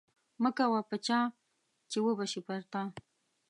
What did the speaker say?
مه کوه په چا چې وبه شي پر تا